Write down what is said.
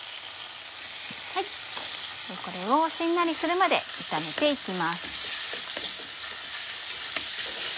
これをしんなりするまで炒めて行きます。